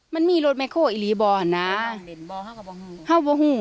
มันมีรถแม่โฮอย่างนี้บ่ออันนี้ห้าแต่ตัวอันชมพู